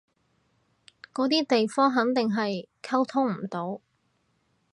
嗰啲地方肯定係溝通唔到